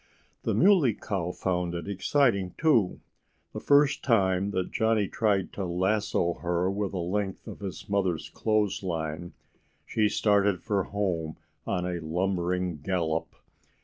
The Muley Cow found it exciting too. The first time that Johnnie tried to lasso her with a length of his mother's clothesline she started for home on a lumbering gallop.